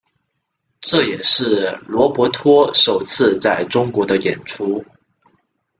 这也是罗伯托首次在中国的演出。